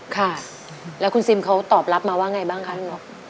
ค่ะแล้วคุณซิมเขาตอบรับมาว่าไงบ้างคะลุงนก